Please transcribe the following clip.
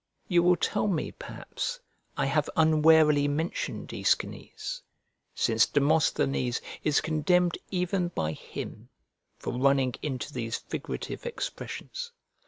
You will tell me, perhaps, I have unwarily mentioned Aeschines, since Demosthenes is condemned even by him, for running into these figurative expressions.